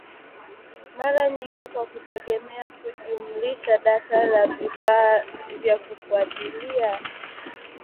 mara nyingi kwa kutegemea kujumlisha data ya vifaa vya kufuatilia